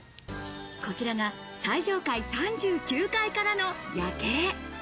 こちらが最上階３９階からの夜景。